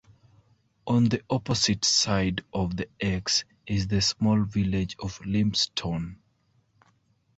On the opposite side of the Exe is the small village of Lympstone.